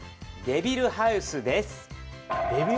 「デビルハウス」です。